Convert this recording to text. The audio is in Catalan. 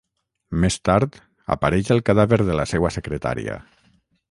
Més tard, apareix el cadàver de la seua secretària.